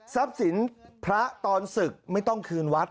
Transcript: สินพระตอนศึกไม่ต้องคืนวัด